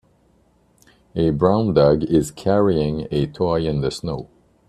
A brown dog is carrying a toy in the snow.